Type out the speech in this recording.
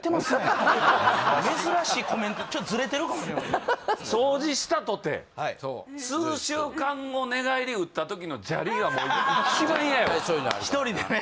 珍しいコメントちょっとズレてるかもしれません掃除したとて数週間後寝返り打った時の「ジャリ」がもう一番嫌やわ１人でね